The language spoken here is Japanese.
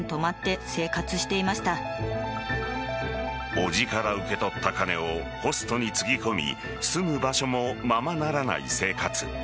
おぢから受け取った金をホストにつぎ込み住む場所もままならない生活。